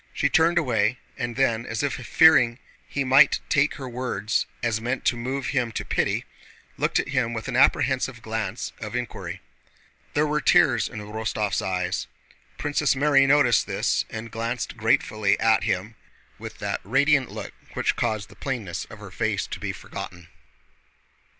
She turned away, and then, as if fearing he might take her words as meant to move him to pity, looked at him with an apprehensive glance of inquiry. There were tears in Rostóv's eyes. Princess Mary noticed this and glanced gratefully at him with that radiant look which caused the plainness of her face to be forgotten.